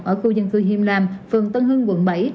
ở khu dân cư hiêm lam phường tân hưng quận bảy